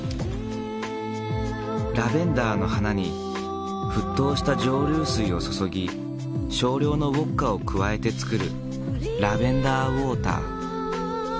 ラベンダーの花に沸騰した蒸留水を注ぎ少量のウォッカを加えて作るラベンダーウォーター。